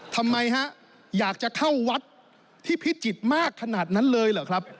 ทำไมฮะอยากจะเข้าวัดที่พิจิตรมากขนาดนั้นเลยเหรอครับ